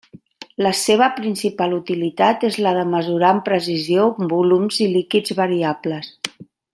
La seva principal utilitat és la de mesurar amb precisió volums i líquids variables.